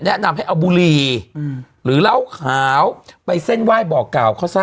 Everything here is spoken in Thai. แนะนำให้เอาบุหรี่หรือเหล้าขาวไปเส้นไหว้บอกกล่าวเขาซะ